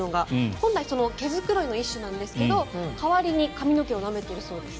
本来、毛繕いの一種なんですが代わりに髪の毛をなめているそうです。